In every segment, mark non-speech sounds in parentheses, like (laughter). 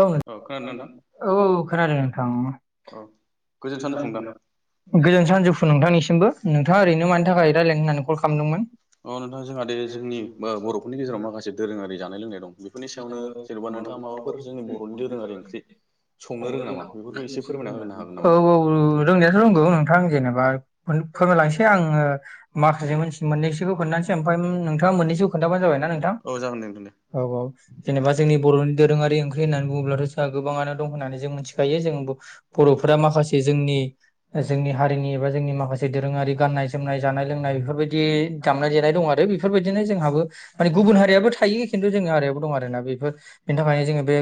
ओ औ औ खोनादों नोंथां गोजोन सानजुफु नोंथां गोजोन सानजौफु नोंथांनिसिमबो नोंथाङा ओरैनो मानि थाखाय रायजलायनो होननानै कल खालामदोंमोन? अ नोंथां जोंहा दे जोंनि बर'फोरनि गेजेराव माखासे दोरोङारि जानाय लोंनाय दं बेफोरनि सायावनो जेनेबा नोंथाङा माबाफोर (unintelligible) औ औ रोंनायाथ रोंगौ नोंथां जेनेबा फोरमायलांसै आङो माखासे मोनथि मोननैसोखौ खोनथानोसै ओमफ्राय नोंथाङा मोननैसोखौ खोन्थाबानो जाबायना नोंथां औ जागोन दे नोंथां दे औ औ जेनेबा जोंनि बर'नि दोरोङारि ओंख्रि होननानै बुङोब्लाथ गोबाङानो दं होननानै जों मिथिखायो जों बर'फोरा माखासे जोंनि जोंनि हारिनि एबा जोंनि माखासे दोरोङारि गाननाय जोमनाय जानाय लोंनाय बेफोरबायदि दामनाय देनाय दं आरो बेफोरबायदिनो जोंहाबो माने गुबुन हारियाबो थायो खिन्थु जों हारियाबो दं आरोना बेफोर बेनि थाखायनो जोङो बे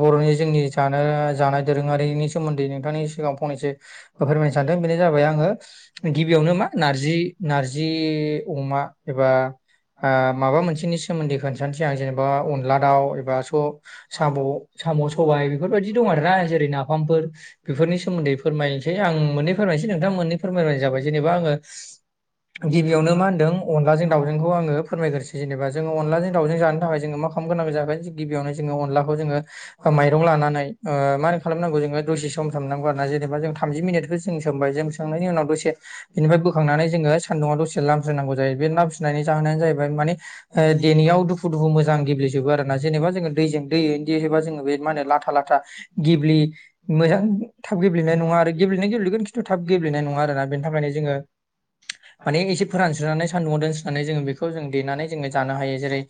बर'नि जोंनि जानो जानाय दोरोङारिनि सोमोन्दै नोंथांनि सिगाङाव फंनैसो फोरमायनो सानदों बेनो जाबाय आङो गिबियावनो मा नारजि नार्जि अमा एबा ओ माबा मोनसेनि सोमोन्दै खोनसानोसै आं जेनेबा अनला दाउ एबा स' साम' साम' सबाय बेफोरबायदि दं आरोना जेरै नाफामफोर बेफोरनि सोमोन्दै फोरमाय दे आं मोननै फोरमायनोसै नोंथां मोननै फोरमायबनाय जाबाय जेनेबा आङो गिबियावनो मा होनदों अनलाजों दाउजोंखौ आङो फोरमायग्रसै जेनेबा जोङो अनलाजों दाउजों जानो थाखाय जोङो मा खालामगोनां जाबाय गिबियाव जोङो अनलाखौ जोङो ओ माइरं लानानै ओ मारै खालामनांगौ जोङो दसे सम सोमनांगौ आरो ना जेनेबा जों थामजि मिनिटखौ होस जों सोंबाय जों सोमानायनि उनाव दसे बेनिफ्राय बोखांनानै जोङो सान्दुङाव दसे लामस्रोनांगौ जायो बे लामस्रोनायनि जाहोनानो जाहैबाय मानि ओ देनायाव दुफुु दुफुु मोजां गेब्लेजोबो आरो ना जेनेबा जोङो दैजों बै बिदि एबा जोङो बे मा होनो लाथा लाथा गेब्लि मोजां थाब गेब्लेनाय नङा आरो गेब्लेनाया गेब्लेगोन थ' थाब गेब्लेनाय नङा आरो ना बेनि थाखायनो जोङो माने एसे फोरानस्रोनानै सान्दुंआव दोनस्रनानै जोङो बेखौ जों देनानै जोङो जानो हायो जेरै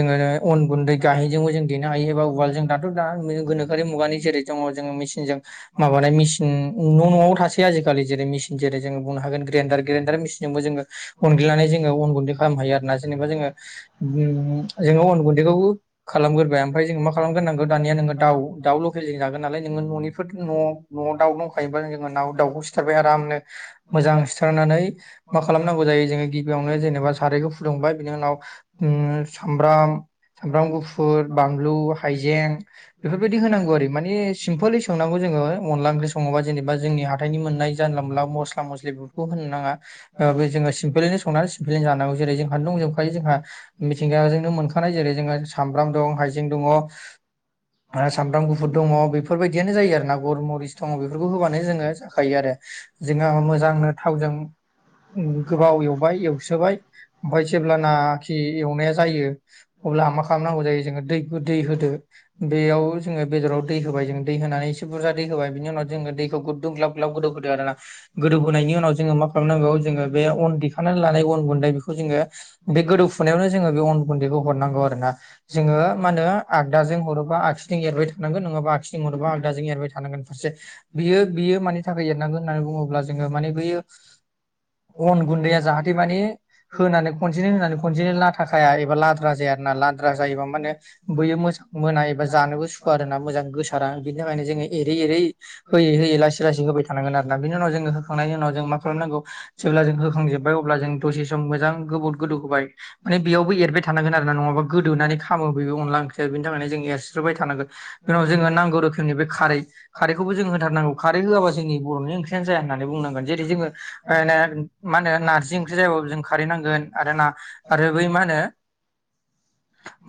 जोङो अन गुन्दै गाहेनजोंबो जों देनो हायो एबा उवाल जों दाथ दा गोनोखोआरि मुगानि जेरै दङ जोङो मेसिनजों माबानाय मेचिन न' न'आव थासै आजिखालि जेरै मेचिन जेरै जों बुंनो हागोन ग्रेन्दडार ग्रन्न्दार मेसिनजोंबो जोङो अनग्लिनानै जोङो अन गुन्दै खालामनो हायो आरो ना जेनेबा जोङो जोङो अन गुन्दैखौबो खालामगोरोबबाय ओमफ्राय जोङो मा खालामग्रोनांगौ दानियानोङो दाउ दाउ लकेलजों जागोन नालाय नोङो न'निफोर न'आव दाउ दं थायोबा जोङो नाव दाउखौ सिथारबाय आरामनो मोजां सिथारनानै मा खालामनांगौ जायो जोङो गिबियावनो जेनेबा सारैखौ फुदुंबाय बिनि उनाव ओम सामब्राम सामब्राम गुफुर बानलु हाइ जें बेफोरबायदि होनांगौ आरो सिमपलै संनांगौ जों अनला ओंख्रि सङोबा जोंनि आ हाथाइनि मोननाय जानला मोनला मस्ला मस्लि बेफोरखौ होनो नङा ओ जोङो सिमपेलैनो संनानै बेजों जानांगौ जेरै जोंहानो दंजोबखायो जोंहा मिथिंगाजोंनो मोनखानाय जेरै जोंहा सामब्राम दं हाइजें दङ। (inaudible) आरो सामब्राम गुफुर दङ बेफोरबायदियनो जायो आरो ना गरमुरुस दङ बेफोरखौ होबानो जोङो जाखायो आरो‌। जोङो मोजांनो थावजों गोबाव एवबाय एवसोबाय ओमफ्राय जेब्लाना जि एवनाया जायो अब्ला मा खालामनांगौ जायो जोङो दैखौ दै होदो बेयाव जोङो बेदराव दै होबाय जों दै होनानै एसे बुरजा दै होबाय बिनि उनाव जोङो दैखौ गुदुं ग्लाब। ग्लाब गोदौ होदो आरोना गोदौ होनोनायनि उनाव जोङो मा खालामनांगौ जोङो बे अन दिेखांनानै लानाय अन गुन्दै बेखौ जोङो। बे गोदौ फु फुनायावनो जोङो बे अन गुन्दैखौ हरनांगौ आरो ना जोङो मा होनो आगदाजों हरोबा आखि आगखिजों एरबाय थानांगोन नङाबा आगखिथिं हरोबा आलदाजों एरबाय थानांगोन फारसे। बियो बियो मानि थाखाय एरनांगोन होननानै बुङोब्ला जोङो माने बियो अन गुन्दैया जाहाथे माने होनानै खनसेनो होनानै। दिनो लाथााखाया एबा लाद्रा जाया ना लाद्रा जायोब माने बैयो मोजां मोना एबा जानोबो सुखुया आरो ना मोजां गोसारा बिनि थाखायनो जोङो एरै एरै होयै होयै लासै लासै होबाय थायो। थानांगोन आरोना बिनि उनाव जोङो होखांनायनि उनाव जों मा खालामनांगौ जेब्ला जों होखांजोब्बाय अब्ला जों दसे सम मोजां गोबाव। गोदौ होबाय माने बेयावबो एरबाय थानांगोन आरो ना नङाबा गोदौनानै खामो बेबो अनला ओंख्रिया बेनि थाखायनो जों एर सुस्राय थानांगौ बेनाव जोङो नांगौ रोखोमनि बे खारै खारैखौबो जों होथारनांगौ खारै होआबा जोंनि बर'नि ओंख्रियानो जाया होननानै बुंनांगोन जेरै जों मा होनो नारजि ओंख्रि जायाबाबो जों खारै नांगोन आरो बै मा होनो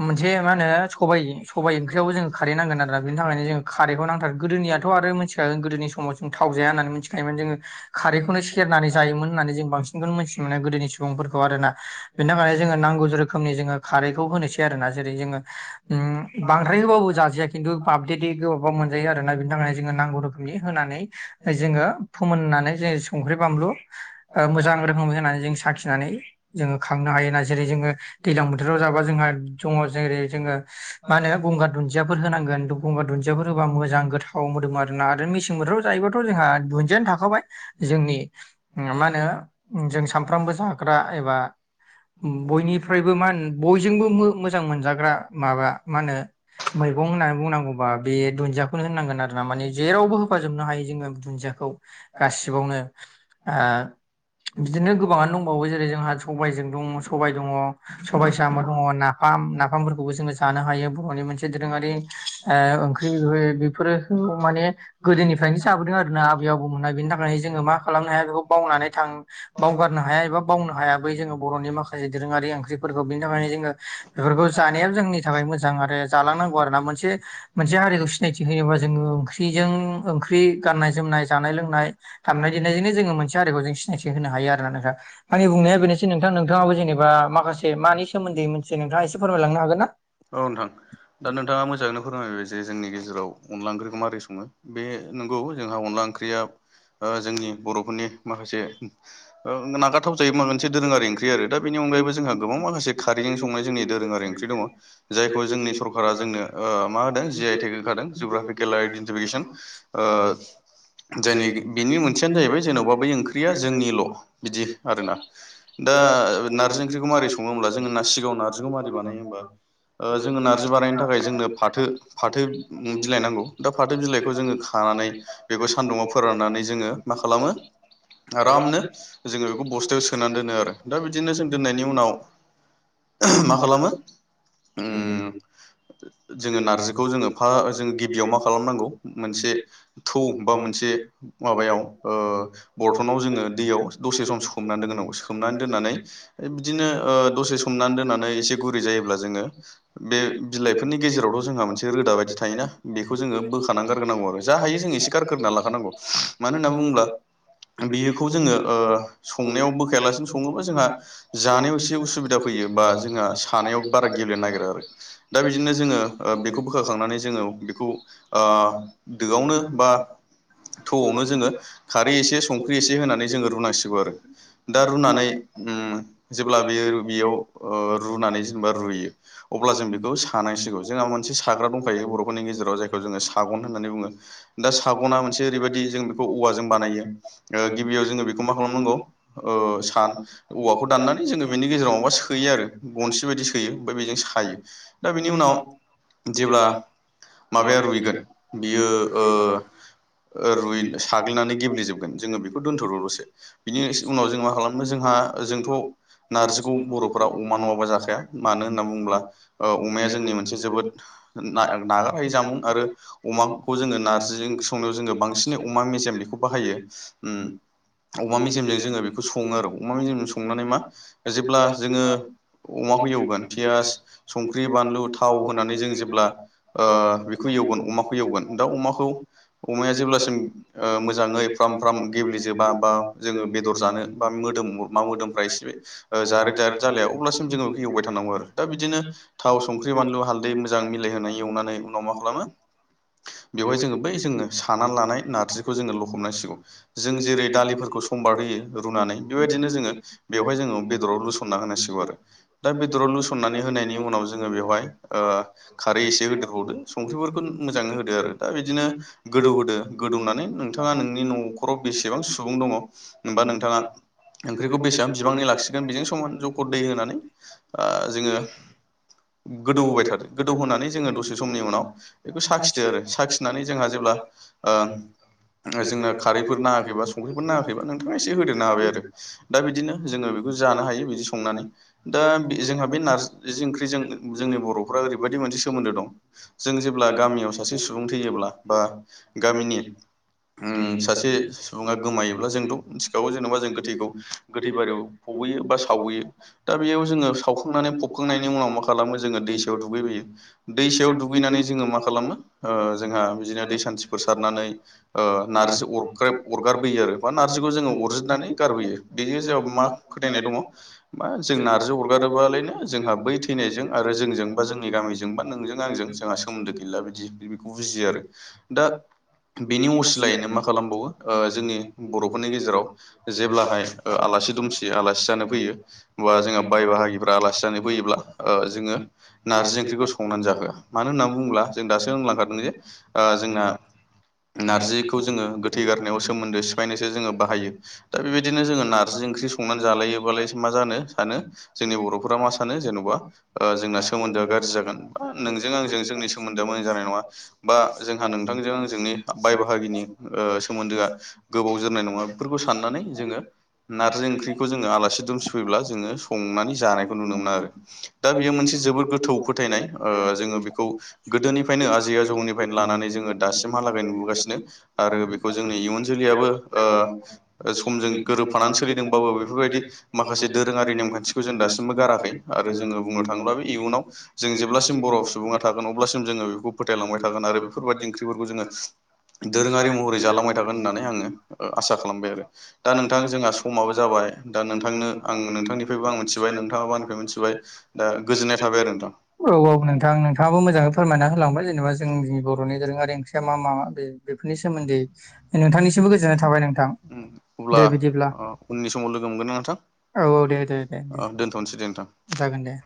मोनसे ओ मा होनो सबाइ सबाइ ओंख्रियावबो जोङो खारै नांगोन आरोोना बेनि थाखायनो जोङो खारैखौ नांथारो गोदोनियाथ' आरो मिथिखागोन गोदोनि समाव जों थाव जाया होननानै मिथिखायोमोन जोङो। खारैखौनो सेरनानै जायोमोन होननानै जों बांसिनखौनो मोन्थिनो मोनो गोदोनि सुबुंफोरखौ आरोना। बेनि थाखायनो जोङो नांगौ रोखोमनि जोङो खारैखौ होनोसै आरोना जेरै जोङो। बांद्राय होबाबो जाजाया खिन्थु आपडेट होनानै गोबाबा मोनजायो आरोना बेनि थाखायनो जोङो नांगौ रोखोमनि होनानै जोङो फोमोननानै जोङो संख्रि बानलु मोजां रोखोमै होनानै जों साखिनानै खांनो हायोना जेरै जोङो दैलां बोथोराव जाबा जोंहा दङ जेरै जोङो ओ मा होनो गंगार दुन्दियाफोर होनांगोन गंगार दुन्दियाफोर होबा मोजां गोथाव मोदोम आरोना आरो मि जं बोथोराव जायोबथ' जोंहा दुन्दियानो थाखाबाय जोंनि मा होनो जों सामफ्रामबो जाग्रा एबा बयनिफ्रायबो मा होनो बयजोंबो मोजां मोनजाग्रा माबा मा होनो। मैगं होननानै बुंनांगौबा बे दुन्दियाखौनो होननांगोन आरो ना माने जेरावबो होफाजोबनो हायो जोङो। दुन्दियाखौ गासिबावनो ओ बिदिनो गोबाङानो दंबावो जेरै जोंहा सबायजों दङ सबाय दङ सबाय साम' दङ नाफाम। ओंखामफोरखौबो जोङो जानो हायो बर'नि मोनसे दोरोङारि ओंख्रि बेफोखौ माने गोदोनिफ्रायनो जाबोदों आर ना आबै आबौमोनना बेनि थाखाय जोङो मा खालामनो हाया बेखौ बावनानै थां बावगारनो हाया एबा बावनो हाया। गुबै बर'नि माखासे दोरोङारि ओंख्रिफोरखौ बिनि थाखायनो जोङो बेफोरखौ जानायाव जोंनि थाखाय मोजां आरो जालांनांगौ आरो ना मोनसे मोनसे हारिखौ सिनायथि होयोबा जोङो ओंख्रि खिजों ओंख्रि गाननाय जोमनाय जानाय लोंनाय दामनाय देनायजोंनो जोङो मोनसे हारिमुनि सि सिनायथि होनो हायो आरो ना नोंथां आंनि बुंनाया बेनोसै नोंथां नोंथाङाबो जेनेबा माखासे मानि सोमोन्दै मोनसे नोंथाङा एसे फोरमायलांनो हागोन ना? औ नोंथां दा नोंथाङा मोजाङैनो फोरमायबाय जे जोंनि गेजेराव अनला ओंख्रिखौ माबोरै सङो। बे नंगौ जोंहा अनला ओंख्रिया ओ जोंनि बर'फोरनि माखासे नागाथाव जायो मा मोनसे दोरोङारि ओंख्रि ओ ओंख्रि आरो दा बेनि अनायैबो जोंहा गोबां माखासे खारैजों संनाय जोंनि दोरोङारि ओंख्रि दङ। जायखौ जोंनि सरकारा जोंनो मा होदों जि आइ टेक होखादों जिअग्राफिकेल आइडेन्टिफिकेसन। ओ जोंनि बेनि मोनसेयानो जाहैबाय जेन'बा बै ओंख्रिया जोंनिल' बिदि आरोना दा नारजि ओंख्रिखौ मारै सङो होमब्ला जोङो सिगाङावनो नारजिखौ मारै बानायो होमबा ओ जोङो नार्जि बानायनो थाखाय जोंनो फाथो फाथो बिलाइ नांगौ दा फाथो बिलाइखौ जोङो लानानै बेखौ सान्दुङाव फोराननानै जोङो मा खालामो आरामनो जोङो बेखौ बस्थायाव सोनानै दोनो आरो दा बिदिनो जों दोननायनि उनाव मा खालामो ओम जोङो नार्जिखौ जोङो फा जोङ गिबियाव मा खालामनांगौ मोनसे थौ बा मोनसे माबायाव ओ बरथनाव जोङो दैयाव दसे सम सोमनानै दोननांगौ सोमनानै दोननानै बिदिनो ओ दसे सम सोमनानै दोननानै एसे गुरै जायोब्ला जोङो बे बिलाइफोरनि बेनि गेजेरावथ जोंहा मोनसे रोदा बायदि थायोना बेखौ जोङो बोखानानै गारग्रोनांगौ आरो जा हायो जों एसे गारग्रोना लाखानांगौ मानो होनना बुङोब्ला बेखौ जोङो ओ संनायाव बोखायालासिनो सङोबा जोंहा जानायाव एसे उसुबिदा फैयो बा जोंहा सानायाव बारा गेब्लेनो नागिरो आरो दा बिदिनो जोङो बेखौ बोखांनानै जोङो बेखौ ओ दोआवनो बा थौआवनो जोङो खारै एसे संख्रि एसे होनानै जोङो रुनांसिगौ आरो दा रुनानै उम जेब्ला बे बेयाव रुनानै जेनेबा रुयो अब्ला जों बेखौ सानांसिगौ जोंहा मोनसे साग्रा दंखायो बर'फोरनि गेजेराव जायखौ जोङो सागन होननानै बुङो दा सागना मोनसे ओरैबायदि जों बेखौ औवाजों बानायो ओ गिबियाव जोङो बेखौ मा खालामनांगौ ओ सान औवाखौ दाननानै जोङो बेनि गेजेराव माबा सोयो आरो गनसि बायदि सोयो बेजों सायो दा बेनि उनाव जेब्ला माबाया रुइगोन बियो ओ रुइ साग्लिनानै गेब्लेेजोबगोन जोङो बेखौ दोन्थ'र दसे बिनि उनाव जों मा खालामनो जोंहा जोंथ' नार्जिखौ बर'फोरा अमा नङाबा जाखाया मानो होनना बुङोब्ला ओ अमाया जोंनि मोनसे जोबोद नागारहै जामुं आरो अमा खौ जोङो नारजिजों संनायाव जोङो बांसिनै अमा मेजेम बेखौ बाहायो अमा मेजेमजों जोङो बेखौ सङो आरो अमा मेजेमजों संनानै मा जेब्ला जोङो अमाखौ एवगोन पियास संख्रि बानलु थाव होनानै जों जेब्ला ओ बेखौ एवगोन अमाखौ एवगोन दा अमाखौ अमाया जेब्लासिम मोजाङै फ्राम फ्राम गेब्लेेजोबा बा जोङो बेदर जानो बा मोदोम मा मोदोमफ्रा इसे जारेद जारेद जालाया अब्लासिम जोङो होवबाय थानांगौ आरो दा बिदिनो थाव संख्रि बानलु हालदै मोजां मिलायहोनो एवनानै उनाव मा खालामो बेवहाय जोङो बै जोङो साना लानाय नारजिखौ जोङो लखबनांसिगौ जों जेरै दालिफोरखौ सम बारहोयो रुनानै बेबायदिनो जोङो बेवहाय जोङो बेदराव लुस होनांगौ आरो दा बेदरावस होनाय उनाव ज जोङो बेवहाय खारै एसे होदेरबावदो संख्रिफोरखौ मोजाङै होदो आरो दा बिदिनो गोदौहोदो गोदौनानै नोंथाङा नोंनि न'खराव बेसेबां सुबुं दङ होनबा नोंथाङा ओंख्रिखौ बेसेबां बिबांनि लाखिगोन बेजों समान जख दै होनानै ओ जोङो गोदौ होबाय थादो गोदौहोनानै जोङो दसे समनि उनाव बेखौ साखिदो आरो साखिनानै जोंहा जेब्ला औ जोंना खारैफोर नाङाखैबा संख्रिफोर नाङाखैबा नोंथाङा एसे होदेरनो हाबाय आरो दा बिदिनो जोङो बेखौ जानो हायो बिदि संनानै दा जोंहा बे नारज ओंख्रिजों जोंनि बर'फोरा्रा ओरैबायदि मोनसे सोमोन्दो दं जों जेब्ला गामियाव सासे सुबुं थैयोब्ला बा गामिनि उम सासे सुबुङा गोमायोब्ला जोंथ' मिथिखागौ जेन'बा जों गोथैखौ गोथै बारियाव फबहैयो बा सावहैयो दा बेयाव जोङो सावखांनानै फबखां खांनायनि उनाव मा खालामो जोङो दैसायाव दुगैबोयो दैसायाव दुगैनानै जोङो मा खालामो ओ जोंहा बिदिनो दै सान्थिफोर सारनानै ओ नारजि अरग्रब अरगारबोयो आरो बा नारजिखौ जोङो अरज्रिनानै गारबोयो बेनि (unintelligible) मा फोथायनाय दङ जों नारजि अरगारोबालायनो जों जोंहा बै थैनायजों आरो जोंजों बा जोंनि गामिजों बा नोंजों आंजों जोंहा सोमोन्दो गैला बिदि बेखौ बुजियो आरो। दा बेनि असिलायैनो मा खालामबावो ओ जोंनि बर'फोरनि गेजेराव जेब्लाहाय ओ आलासि दुमसि आलासि जानो फैयो बा जोंहा बाय बाहागिफ्रा आलासि नानै फैयोब्ला ओ जोङो नारजि ओंख्रिखौ संनानै जाहोआ मानो होन्नानै बुङोब्ला जों दासो होनलांखादों जे ओ जोंना नारजिखौ जोङो गोथै गारनायाव सोमोन्दो सिफायनोसो जोङो बाहायो दा बेबायदिनो जोङो नारजि ओंख्रि सं संनानै जालायोबालाय मा जानो सानो जोंनि बर'फोरा मा सानो जेन'बा ओ जोंना सोमोन्दोआ गाज्रि जागोन बा नोंजों आंजों जोंनि सोमोन्दोआ मोजां जानाय नङा बा जोंहा नोंथांजों जोंनि बाय बाहागिनि ओ सोमोन्दोआ गोबाव जोरनाय नङा फोरखौ साननानै जोङो नारजि ओंख्रिखौ जोङो आलासि दुमसि सफैब्ला जोङो संनानै जानायखौ नुनो मोना आरो दा बेयो मोनसे जोबोद गोथौ फोथायनाय ओ जोङो बेखौ गोदोनिफ्रायनो आजै-आजौनिफ्रायनो लानानै जोङो दासिमहालागै नुबोगासिनो आरो बेखौ जोंनि इयुन जोलैयाबो ओ समजों गोरोबफानानै सोलिदोंबाबो बेफोर बायदि माखासे दोरोङारि नेमान्थिखौ जों दासिमबो गाराखै आरो जोङो बुंनो थाङोब्ला बे इयुनाव जों जेब्लासिम बर' सुबुङा थागोन अब्लासिम जोङो बेखौ फोथायलांबाय थागोन आरो बेफोर बायदि ओंख्रिफोरखौ जोङो दोरोङारि महरै जालांबाय थागोन होननानै आङो ओ आसा खालामबाय आरो दा नोंथां जोंहा समाबो जाबाय। दा नोंथांनो आं नोंथांनिफ्रायबो आं मिथिबाय नोंथां औ आं मोनथिबाय ओ बुजिनो हाबाय आरो नोंथां। औ औ नोंथां नोंथाङाबो मोजाङै फोरमायना होलांबाय जेनेबा जोंनि बर'नि दोरोङारि ओंख्रिया मा मा बे बेफोरनि सोमोन्दै नोंथांनिसिमबो गोजोननाय थाबाय नोंथां। अब्ला ओ उननि समाव लोगो मोनगोन ना नोंथां औ दोन्थ'नोसै दे नोंथां। जागोन दे।